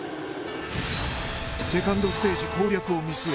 セカンドステージ攻略を見据え